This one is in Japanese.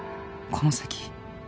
「この先」